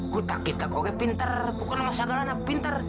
gu takit kak oke pinter bukan masak galana pinter